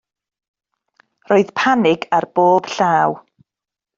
Roedd panig ar bob llaw.